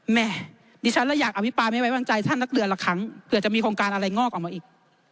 แม่ดิฉันเลยอยากอภิปรายไม่ไว้วางใจท่านนักเดือนละครั้งเผื่อจะมีโครงการอะไรงอกออกมาอีก